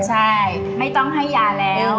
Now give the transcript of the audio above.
ใช่ไม่ต้องให้ยาแล้ว